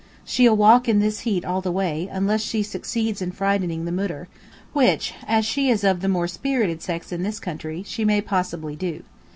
She'll walk in this heat all the way, unless she succeeds in frightening the Moudir, which, as she is of the more spirited sex in this country, she may possibly do.